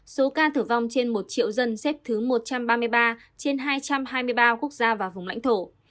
số ca tử vong trên một triệu dân xếp thứ một trăm ba mươi ba trên hai trăm hai mươi ba quốc gia và vùng lãnh thổ